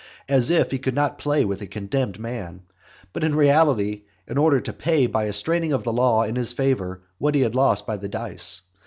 As if he could not play with a condemned man; but in reality, in order to pay by a straining of the law in his favour, what he had lost by the dice.